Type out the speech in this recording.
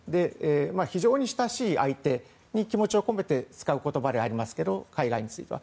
非常に親しい相手に気持ちを込めて使う言葉でありますが海外については。